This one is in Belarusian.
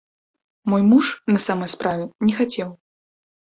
Мой муж, на самай справе, не хацеў.